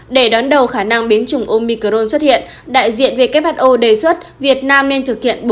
để đón đầu khả năng biến chủng omicron xuất hiện đại diện who đề xuất việt nam nên thực hiện